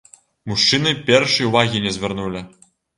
Мужчыны перш і ўвагі не звярнулі.